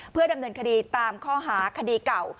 เพื่อดำเนินคดีตามข้อหาคดีเก่า